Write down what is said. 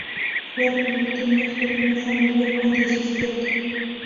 Fue el penúltimo hijo de una familia con diecisiete.